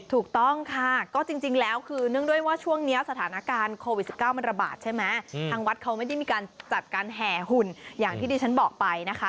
ถูกต้องค่ะก็จริงแล้วคือเนื่องด้วยว่าช่วงนี้สถานการณ์โควิด๑๙มันระบาดใช่ไหมทางวัดเขาไม่ได้มีการจัดการแห่หุ่นอย่างที่ดิฉันบอกไปนะคะ